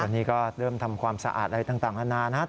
วันนี้ก็เริ่มทำความสะอาดอะไรต่างนานา